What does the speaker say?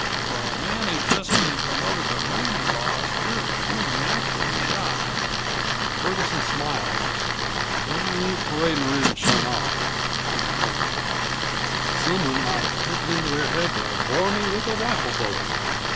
"For a man who's just been promoted to range boss you're unnaturally shy." Ferguson smiled. "I ain't paradin' around showin' off," he returned. "Someone might take it into their head to bore me with a rifle bullet."